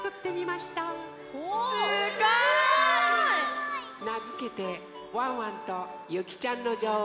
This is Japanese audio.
すごい！なづけて「ワンワンとゆきちゃんのじょおう」。